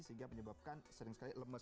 sehingga menyebabkan sering sekali lemes